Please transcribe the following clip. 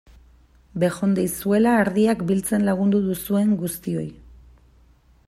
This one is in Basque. Bejondeizuela ardiak biltzen lagundu duzuen guztioi!